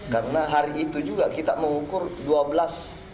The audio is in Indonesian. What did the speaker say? karena hari itu juga kita mengukur dua belas anak penyandang disabilitas